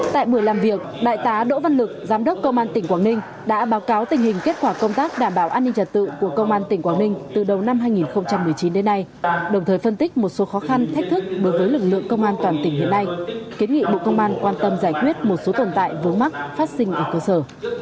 tại buổi làm việc đại tá đỗ văn lực giám đốc công an tỉnh quảng ninh đã báo cáo tình hình kết quả công tác đảm bảo an ninh trật tự của công an tỉnh quảng ninh từ đầu năm hai nghìn một mươi chín đến nay đồng thời phân tích một số khó khăn thách thức đối với lực lượng công an toàn tỉnh hiện nay kiến nghị bộ công an quan tâm giải quyết một số tồn tại vướng mắc phát sinh ở cơ sở